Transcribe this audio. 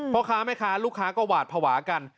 พ่อค้าแม่ค้าลูกค้าก็หวาดภาวะกัน